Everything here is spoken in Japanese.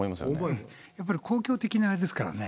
やっぱり公共的なあれですからね。